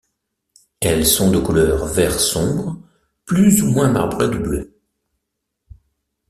Elles sont de couleur vert sombre plus ou moins marbré de bleu.